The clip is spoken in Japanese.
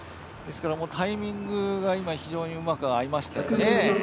ですからタイミングが非常にうまく合いましたよね。